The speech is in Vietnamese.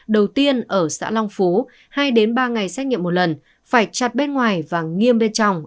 đầu tiên ở xã long phú hai ba ngày xét nghiệm một lần phải chặt bên ngoài và nghiêm bên trong